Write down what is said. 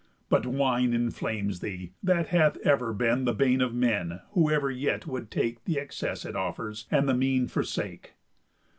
But wine inflames thee, that hath ever been The bane of men whoever yet would take Th' excess it offers and the mean forsake.